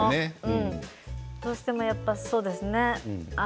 どうしてもやっぱり、そうですね。